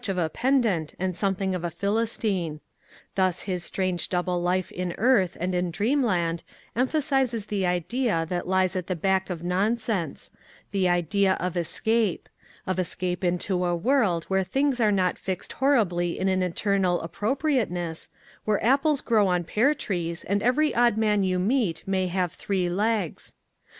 of a pedant and something of a Philistine. Thus his strange double life in earth and in A Defence of Nonsense dreamland emphasizes the idea that lies at the back of nonsense — the idea of escape^ of escape into a world where things are not fixed horribly in an eternal appropriate ness, where apples grow on pear trees, and any odd man you meet may have three legs.